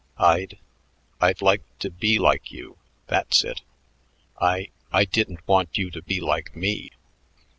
"I'd I'd like to be like you; that's it. I I didn't want you to be like me....